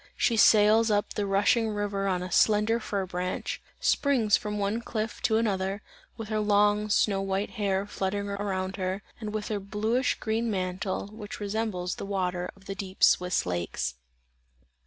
She sails up the rushing river on a slender fir branch springs from one cliff to another, with her long snow white hair, fluttering around her, and with her bluish green mantle, which resembles the water of the deep Swiss lakes.